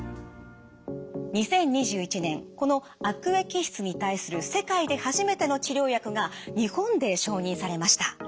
２０２１年この悪液質に対する世界で初めての治療薬が日本で承認されました。